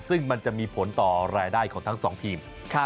ซึ่งมันจะมีผลต่อรายได้ของทั้งสองทีม